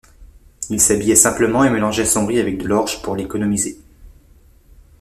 Il s'habillait simplement et mélangeait son riz avec de l'orge pour l'économiser.